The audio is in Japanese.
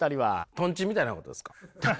とんちみたいなことですか？